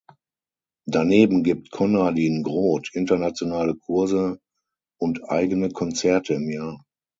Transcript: Daneben gibt Konradin Groth internationale Kurse und eigene Konzerte im Jahr.